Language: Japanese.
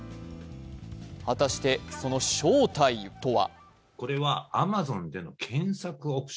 果たしてその正体とは？